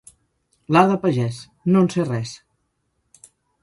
L'art de pagès: no en sé res.